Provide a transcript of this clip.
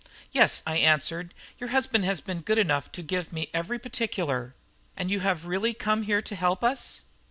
"Yes," I answered; "your husband has been good enough to give me every particular." "And you have really come here to help us?"